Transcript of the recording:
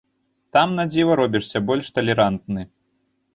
Там, на дзіва, робішся больш талерантны.